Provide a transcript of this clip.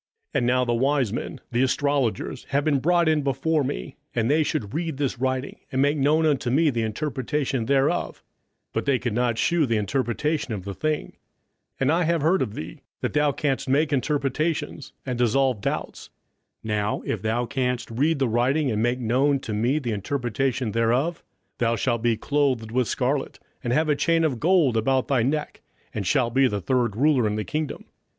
27:005:015 And now the wise men, the astrologers, have been brought in before me, that they should read this writing, and make known unto me the interpretation thereof: but they could not shew the interpretation of the thing: 27:005:016 And I have heard of thee, that thou canst make interpretations, and dissolve doubts: now if thou canst read the writing, and make known to me the interpretation thereof, thou shalt be clothed with scarlet, and have a chain of gold about thy neck, and shalt be the third ruler in the kingdom.